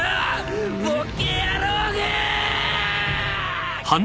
ボケ野郎がぁ！！